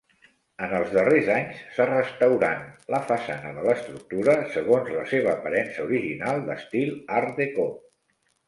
En el darrers anys, s'ha restaurant la façana de l'estructura, segons la seva aparença original d'estil art-déco.